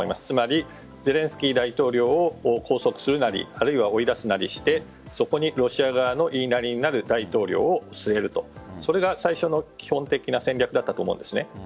つまりゼレンスキー大統領を拘束するなりあるいは追い出すなりしてそこにロシア側の言いなりになる大統領を据えるというそれが最初の基本的な戦略だったと思うんです。